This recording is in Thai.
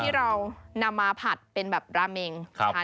ที่เรานำมาผัดเป็นแบบราเมง